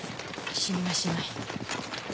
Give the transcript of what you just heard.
死にはしない。